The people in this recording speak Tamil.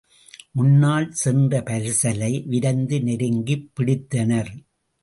முன்னால் சென்ற பரிசலை விரைந்து நெருங்கிப் பிடித்தனர்.